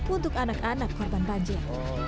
untuk anak anak korban banjir